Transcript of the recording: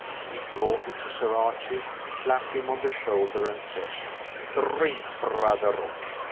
He brought it to Sir Archie, clapped him on the shoulder and said: "Drink, brother!